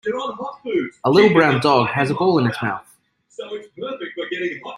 A little brown dog has a ball in its mouth.